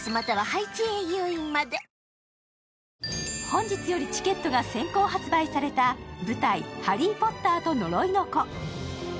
本日よりチケットが先攻発売された舞台「ハリー・ポッターと呪いの子」。